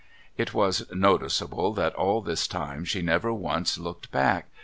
It was noticeable that all this time she never once looked back.